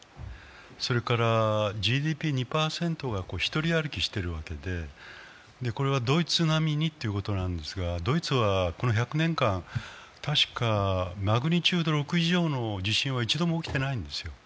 それからＧＤＰ２％がひとり歩きしているわけで、これはドイツ並みにということなんですがドイツはこの１００年間、たしかマグニチュード６以上の地震は一度も起きていないんですよ。